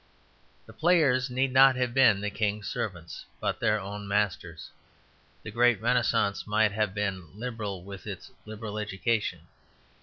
The players need not have been "the king's servants," but their own masters. The great Renascence might have been liberal with its liberal education.